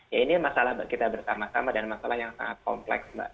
ya ini masalah kita bersama sama dan masalah yang sangat kompleks mbak